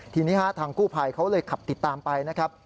ทีนี้ทางกู้ภัยเขาเลยขับติดตามไปนะครับ